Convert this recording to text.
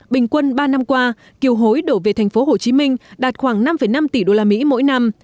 bình quân ba năm qua kiều hối đổ về thành phố hồ chí minh đạt khoảng năm năm tỷ usd mỗi năm